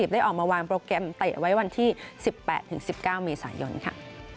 ได้ออกมาวางโปรแกรมเตะไว้วันที่๑๘๑๙เมษายนค่ะ